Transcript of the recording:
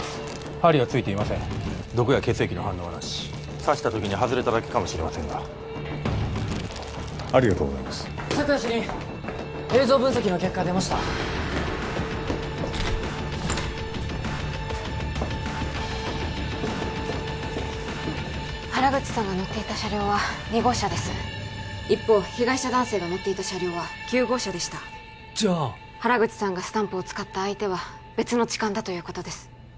針はついていません毒や血液の反応はなし刺した時に外れただけかもしれませんがありがとうございます佐久良主任映像分析の結果出ました原口さんが乗っていた車両は２号車です一方被害者男性が乗っていた車両は９号車でしたじゃあ原口さんがスタンプを使った相手は別の痴漢だということです